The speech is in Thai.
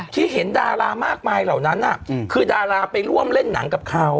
ที่เห็นดารามากมายเหล่านั้นคือดาราไปร่วมเล่นหนังกับเขา